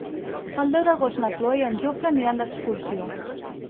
El deu d'agost na Cloè i en Jofre aniran d'excursió.